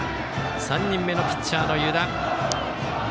３人目のピッチャーの湯田。